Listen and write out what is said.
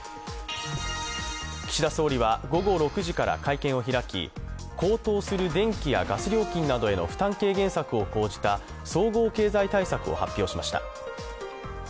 岸田総理は午後６時から会見を開き、高騰する電気やガス料金などへの負担軽減策を講じた総合経済対策を発表しました。